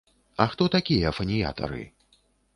А хто такія фаніятары?